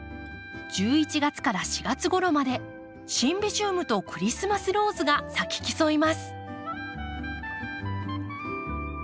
１１月から４月ごろまでシンビジウムとクリスマスローズが咲き競います。